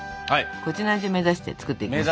こっちの味を目指して作っていきましょう。